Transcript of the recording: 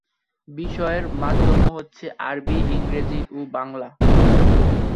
বিষয়ের মাধ্যম হচ্ছে আরবি, ইংরেজি ও বাংলা।